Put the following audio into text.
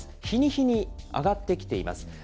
日に日に上がってきています。